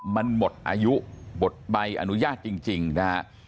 มันหมดอายุหมดใบอนุญาตจริงนะฮะ